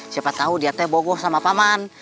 siapa tahu dia teh bogoh sama paman